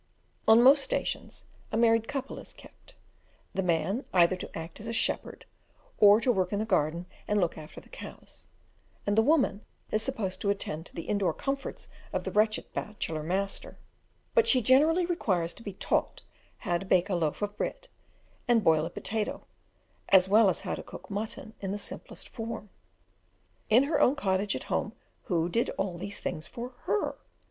On most stations a married couple is kept; the man either to act as shepherd, or to work in the garden and look after the cows, and the woman is supposed to attend to the indoor comforts of the wretched bachelor master: but she generally requires to be taught how to bake a loaf of bread, and boil a potato, as well as how to cook mutton in the simplest form. In her own cottage at home, who did all these things for her?